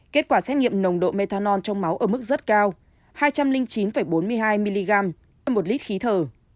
kết quả xét nghiệm nồng độ methanol trong máu ở mức rất cao hai trăm linh chín bốn mươi hai mg trên một lít khí thở